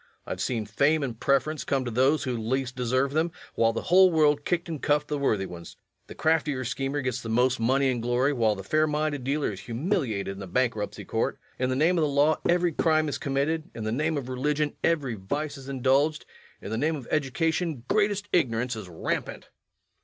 I have seen fame and preference come to those who least deserved them, while the whole world kicked and cuffed the worthy ones. The craftier schemer gets the most money and glory, while the fair minded dealer is humiliated in the bankruptcy court. In the name of the law every crime is committed; in the name of religion every vice is indulged; in the name of education greatest ignorance is rampant.